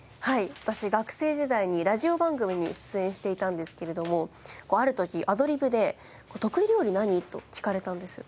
私学生時代にラジオ番組に出演していたんですけれどもある時アドリブで「得意料理何？」と聞かれたんです。